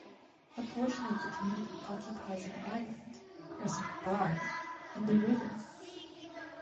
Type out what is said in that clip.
A portion of the community occupies an island (Crescent Bar) in the river.